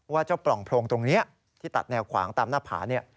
เจ้าปล่องโพรงตรงนี้ที่ตัดแนวขวางตามหน้าผาเนี่ย